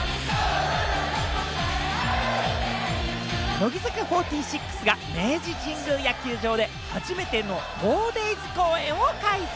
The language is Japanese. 乃木坂４６が明治神宮野球場で初めての４デイズ公演を開催。